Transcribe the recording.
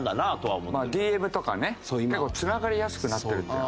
ＤＭとかね結構つながりやすくなってる。